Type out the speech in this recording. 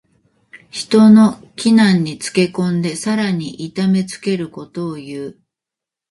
人の危難につけ込んでさらに痛めつけることをいう。